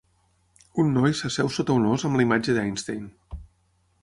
Un noi s'asseu sota un ós amb la imatge d'Einstein.